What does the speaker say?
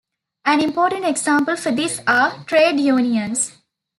An important example for this are trade unions.